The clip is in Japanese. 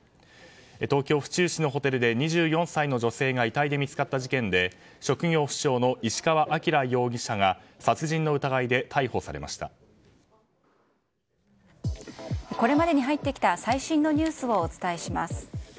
東京・府中市のホテルで２４歳の女性が遺体で見つかった事件で職業不詳の石川晃容疑者が殺人の疑いでこれまでに入ってきた最新のニュースをお伝えします。